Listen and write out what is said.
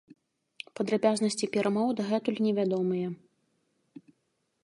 Падрабязнасці перамоў дагэтуль невядомыя.